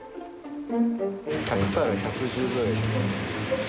・１００から１１０ぐらい。